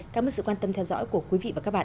cảm ơn sự quan tâm theo dõi của quý vị và các bạn